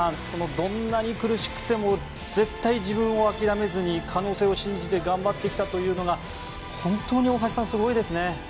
どんなに苦しくても絶対に自分を諦めずに可能性を信じて頑張ってきたというのが本当に大橋さん、すごいですね。